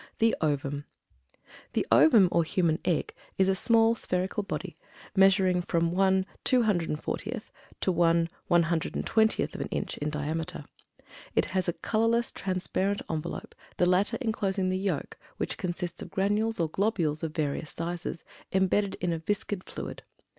THE OVUM. The Ovum, or human egg, is a small spherical body, measuring from one two hundred and fortieth to one one hundred and twentieth of an inch in diameter. It has a colorless transparent envelope, the latter enclosing the yolk which consists of granules or globules of various sizes embedded in a viscid fluid.